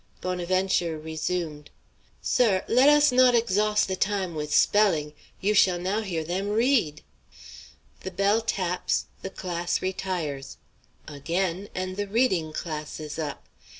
Bonaventure resumed. "Sir, let us not exhoss the time with spelling! You shall now hear them read." The bell taps, the class retires; again, and the reading class is up.